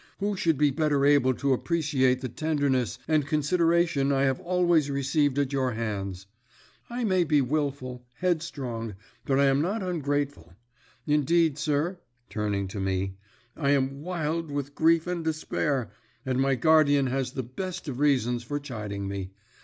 Who should be better able to appreciate the tenderness and consideration I have always received at your hands? I may be wilful, headstrong, but I am not ungrateful. Indeed, sir" turning to me "I am wild with grief and despair, and my guardian has the best of reasons for chiding me.